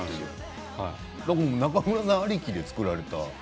中村さんありきで作られたんですか？